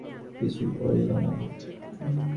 সুতরাং গোরা ইহা সহ্য করিয়া গেল, কিছুই বলিল না।